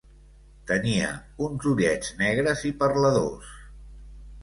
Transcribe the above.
Tenia uns ullets negres i parladors.